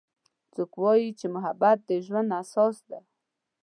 څوک وایي چې محبت د ژوند اساس ده